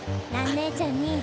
蘭姉ちゃんに。